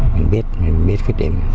mình biết mình biết cái điểm